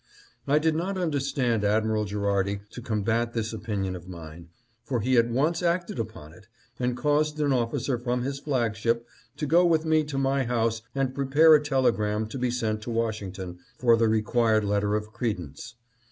"I did not understand Admiral Gherardi to combat this opinion of mine, for he at once acted upon it, and caused an officer from his flagship to go with me to my house and prepare a telegram to be sent to Washington for the required letter of credence.